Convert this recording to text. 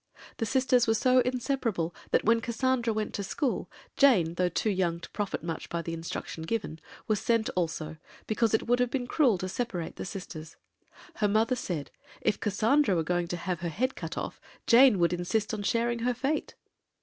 The sisters were so inseparable that when Cassandra went to school, Jane, though too young to profit much by the instruction given, was sent also, because it would have been cruel to separate the sisters; her mother said, "If Cassandra were going to have her head cut off, Jane would insist on sharing her fate."